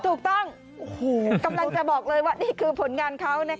ถูกต้องกำลังจะบอกเลยว่านี่คือผลงานเขานะคะ